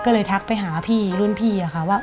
ก็เลยทักไปหาพี่รุ่นพี่ค่ะว่า